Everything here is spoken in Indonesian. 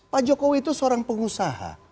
pak jokowi itu seorang pengusaha